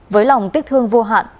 với lòng tiếc thương vô hạn